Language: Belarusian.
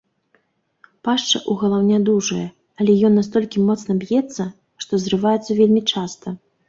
Пашча ў галаўня дужая, але ён настолькі моцна б'ецца, што зрываецца вельмі часта.